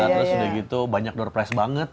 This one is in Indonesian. terus udah gitu banyak door price banget